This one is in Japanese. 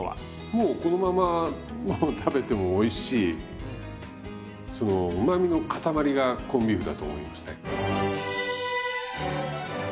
もうこのままもう食べてもおいしいそのうまみのかたまりがコンビーフだと思いますね。